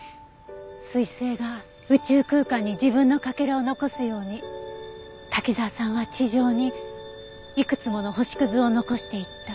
彗星が宇宙空間に自分のかけらを残すように滝沢さんは地上にいくつもの星屑を残していった。